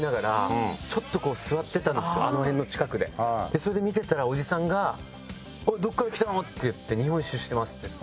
それで見てたらおじさんが「どこから来たの？」って言って「日本一周してます」って言って。